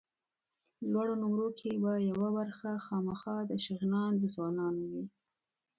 لوړو نومرو کې به یوه برخه خامخا د شغنان د ځوانانو وي.